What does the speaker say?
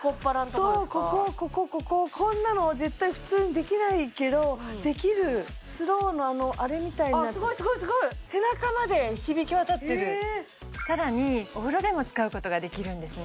そうこここここここんなの絶対普通にできないけどできるスローのあれみたいになってすごいすごいすごいさらにお風呂でも使うことができるんですね